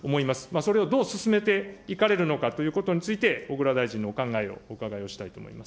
それをどう進めていかれるのかということについて、小倉大臣のお考えをお伺いをしたいと思います。